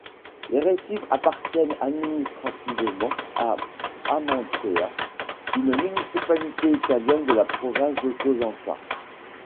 Les récifs appartiennent administrativement à Amantea, une municipalité italienne de la province de Cosenza.